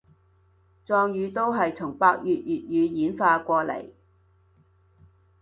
壯語都係從百越語言演化過禮